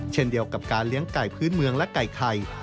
เช่นเดียวกับการเลี้ยงไก่พื้นเมืองและไก่ไข่